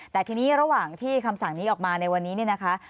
แต่ทีนี้ระหว่างที่คำสั่งนี้ออกมาในวันนี้เนี่ยนะคะ